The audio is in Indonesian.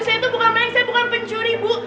saya tuh bukan main saya bukan pencuri bu